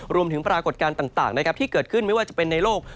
ปรากฏการณ์ต่างนะครับที่เกิดขึ้นไม่ว่าจะเป็นในโลก